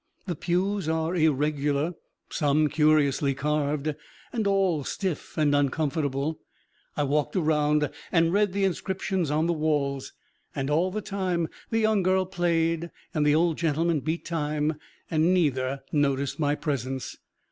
The pews are irregular, some curiously carved, and all stiff and uncomfortable. I walked around and read the inscriptions on the walls, and all the time the young girl played and the old gentleman beat time, and neither noticed my presence.